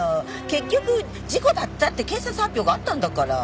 結局事故だったって警察発表があったんだから。